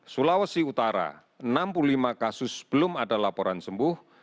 sulawesi utara enam puluh lima kasus belum ada laporan sembuh